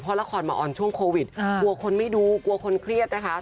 เพราะละครมาออนตรงช่วงโควิดเรียกว่าคนไม่ดูเงียบคนเครียดนะคะ